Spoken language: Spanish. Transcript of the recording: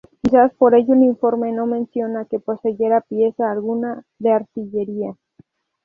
Quizás por ello el informe no menciona que poseyera pieza alguna de artillería.